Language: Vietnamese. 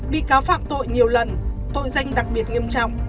bị cáo phạm tội nhiều lần tội danh đặc biệt nghiêm trọng